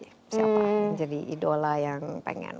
siapa yang jadi idola yang pengen